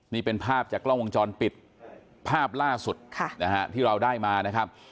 นี่เป็นภาพจากกล้องวงจรปิดภาพล่าสุดที่เราได้มานะครับ